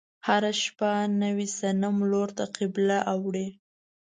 هره شپه نوي صنم لور ته قبله اوړي.